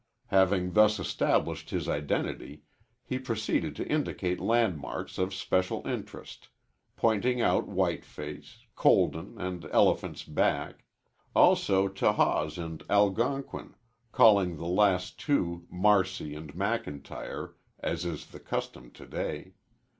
Having thus established his identity, he proceeded to indicate landmarks of special interest, pointing out Whiteface, Colden and Elephant's Back also Tahawus and Algonquin calling the last two Marcy and McIntyre, as is the custom to day.